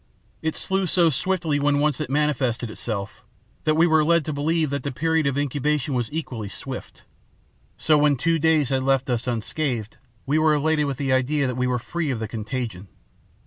It slew so swiftly when once it manifested itself, that we were led to believe that the period of incubation was equally swift. So, when two days had left us unscathed, we were elated with the idea that we were free of the contagion.